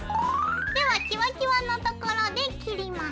ではキワキワのところで切ります。